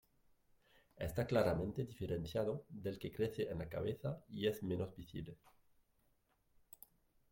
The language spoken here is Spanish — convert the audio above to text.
Está claramente diferenciado del que crece en la cabeza y es menos visible.